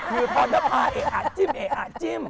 คืออ๋อนัพาไอ้อ่าจิ้ม